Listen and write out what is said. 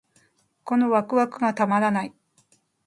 このワクワクがたまらない